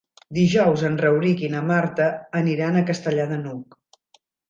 Dijous en Rauric i na Marta aniran a Castellar de n'Hug.